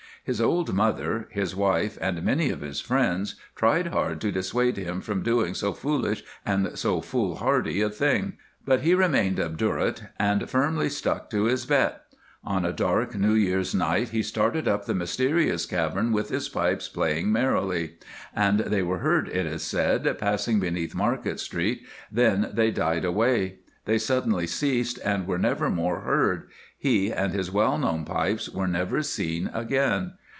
His old mother, his wife, and many of his friends tried hard to dissuade him from doing so foolish and so foolhardy a thing; but he remained obdurate, and firmly stuck to his bet. On a dark New Year's night he started up the mysterious cavern with his pipes playing merrily; and they were heard, it is said, passing beneath Market Street, then they died away. They suddenly ceased, and were never more heard. He and his well known pipes were never seen again.